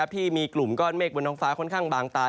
ที่มีกลุ่มก้อนเมฆบนท้องฟ้าค่อนข้างบางตา